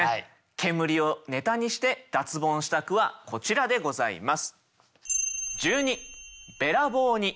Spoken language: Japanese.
煙をネタにして脱ボンした句はこちらでございます。